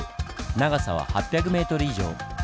長さは８００ｍ以上。